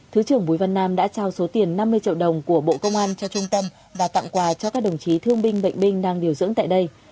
thứ trưởng bùi văn nam đã trao số tiền năm mươi triệu đồng của bộ công an cho trung tâm và tặng quà cho các đồng chí thương binh bệnh binh đang điều dưỡng tại đây